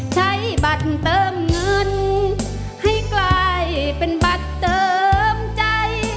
ใช้บัตรเติมเงินให้กลายเป็นบัตรเติมใจ